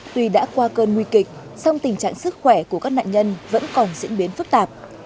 tuy đã qua cơn nguy kịch song tình trạng sức khỏe của các nạn nhân vẫn còn diễn biến phức tạp